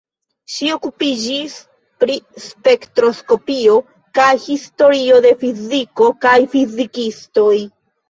Ŝi okupiĝis pri spektroskopio kaj historioj de fiziko kaj fizikistoj.